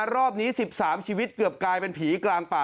รอบนี้๑๓ชีวิตเกือบกลายเป็นผีกลางป่า